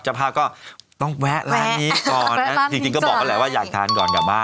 เจ้าพ่าก็ต้องแวะร้านนี้ก่อนแวะร้านนี้ก่อนจริงจริงก็บอกแล้วว่าอยากทานก่อนกลับบ้าน